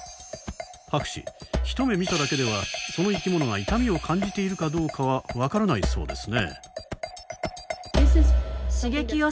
博士ひと目見ただけではその生き物が痛みを感じているかどうかは分からないそうですね？